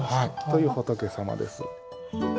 という仏様です。